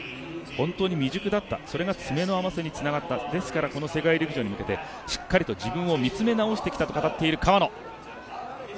本当に未熟だったそれが詰めの甘さにつながったですから、この世界陸上に向けてしっかりと自分を見つめ直してきたと語っている川野。